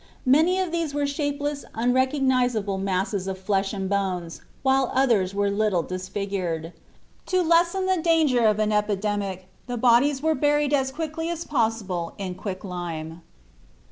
Many of these were shapeless, unrecognizable masses of flesh and bones, while others were little disfigured. To lessen the danger of an epidemic the bodies were buried as quickly as possible in quicklime.